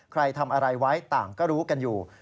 ใครทำอะไรไว้ต่างก็รู้กันอยู่